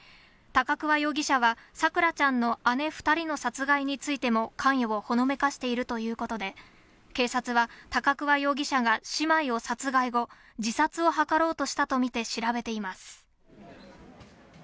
高桑容疑者は、咲桜ちゃんの姉２人の殺害についても、関与をほのめかしているということで、警察は高桑容疑者が姉妹を殺害後、自殺を図ろうとしたと見て調べています。